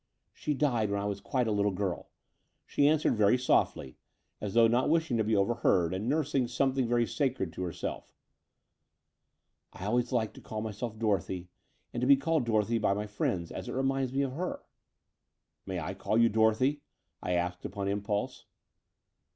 "She died when I was quite a little girl," she answered very softly, as though not wishing to be overheard and nursing something very sacred to herself. "I always like to call myself Dorothy and to be called Dorothy by my friends, as it re minds me of her." "May I call you Dorothy?" I asked upon im pulse.